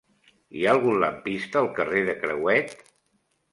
Hi ha algun lampista al carrer de Crehuet?